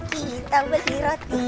kita beli roti